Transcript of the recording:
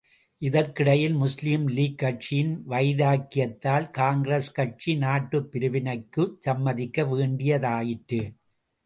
இதற்கிடையில், முஸ்லீம் லீக் கட்சியின் வைராக்கியத்தால், காங்கிரஸ் கட்சி நாட்டுப் பிரிவினைக்குச் சம்மதிக்க வேண்டியதாயிற்று.